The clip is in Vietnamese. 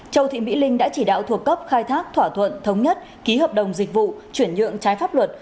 châu thị mỹ linh đã chỉ đạo thuộc cấp khai thác thỏa thuận thống nhất ký hợp đồng dịch vụ chuyển nhượng trái pháp luật